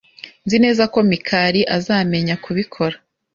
Nzi neza ko Mikali azamenya kubikora.